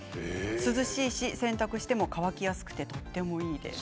涼しいし、洗濯しても乾きやすくてとてもいいです。